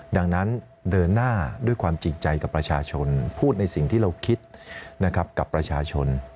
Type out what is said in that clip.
ดังนั้นเดินหน้าด้วยความจริงใจกับประชาชนพูดในสิ่งที่เราคิดนะครับกับประชาชน